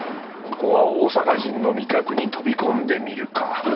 ここは大阪人の味覚に飛び込んでみるか